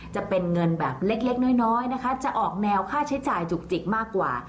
จะเป็นเงินแบบเล็กน้อยนะคะจะออกแนวค่าใช้จ่ายจุกจิกมากกว่า